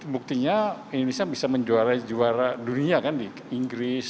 buktinya indonesia bisa menjuara juara dunia kan di inggris